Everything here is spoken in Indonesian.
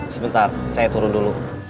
sebentar saya turun dulu